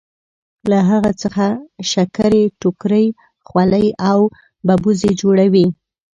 له هغه څخه شکرۍ ټوکرۍ خولۍ او ببوزي جوړوي.